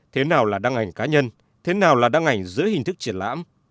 thế nào là đăng ảnh cá nhân thế nào là đăng ảnh dưới hình thức triển lãm